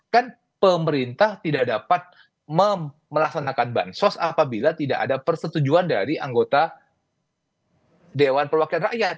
kan pemerintah tidak dapat melaksanakan bansos apabila tidak ada persetujuan dari anggota dewan perwakilan rakyat